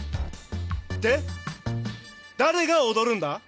で誰が踊るんだ！？